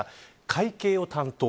会計を担当。